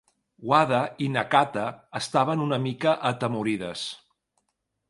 Wada i Nakata estaven una mica atemorides.